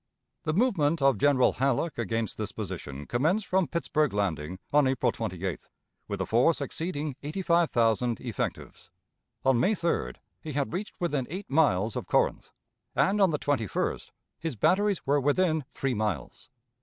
The movement of General Halleck against this position commenced from Pittsburg Landing on April 28th with a force exceeding eighty five thousand effectives. On May 3d he had reached within eight miles of Corinth, and on the 21st his batteries were within three miles.